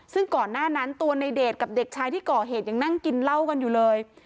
ซึ่งก่อนหน้านั้นตัวในเดชกับเด็กชายที่ก่อเหตุยังนั่งกินเหล้ากันอยู่เลย